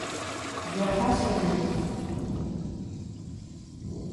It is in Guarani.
Jaha che memby